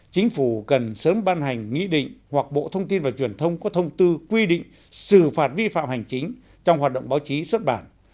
chính phủ cần sớm ban hành nghị định hoặc bộ thông tin và truyền thông có thông tư quy định xử phạt vi phạm hành chính trong hoạt động báo chí xuất bản